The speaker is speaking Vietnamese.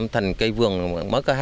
thành cây vườn mới có hai